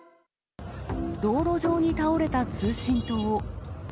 道路上に倒れた通信塔。